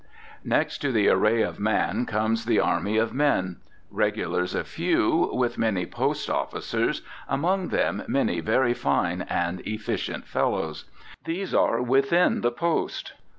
Next to the array of a man comes the army of men. Regulars a few, with many post officers, among them some very fine and efficient fellows. These are within the post.